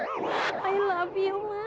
kalau lo menang gue kasih somi